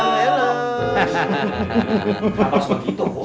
apa harus begitu po